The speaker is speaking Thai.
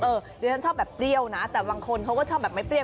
เดี๋ยวฉันชอบแบบเปรี้ยวนะแต่บางคนเขาก็ชอบแบบไม่เปรี้ย